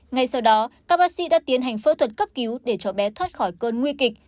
ngay sau đó các bác sĩ đã tiến hành phẫu thuật cấp cứu để cho bé thoát khỏi cơn nguy kịch